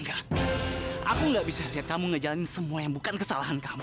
aku gak bisa lihat kamu ngejalanin semua yang bukan kesalahan kamu